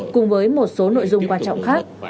cùng với một số nội dung quan trọng khác